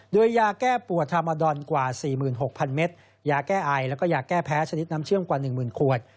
โดยยาแก้ปวดทามาดอนกว่า๔๖๐๐เมตรยาแก้ไอแล้วก็ยาแก้แพ้ชนิดน้ำเชื่อมกว่า๑๐๐ขวด